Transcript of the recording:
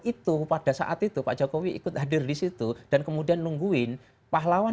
itu pada saat itu pak jokowi ikut hadir di situ dan kemudian nungguin pahlawan